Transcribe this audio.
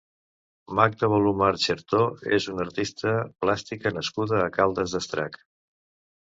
Magda Bolumar Chertó és una artista plàstica nascuda a Caldes d'Estrac.